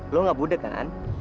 lo nggak budek kan